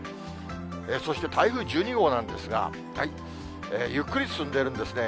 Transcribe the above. そして台風１２号なんですが、ゆっくり進んでるんですね。